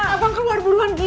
abang keluar buruan gis